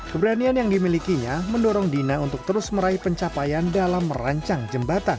keberanian yang dimilikinya mendorong dina untuk terus meraih pencapaian dalam merancang jembatan